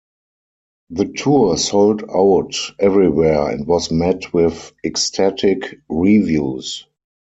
The tour sold out everywhere and was met with ecstatic reviews.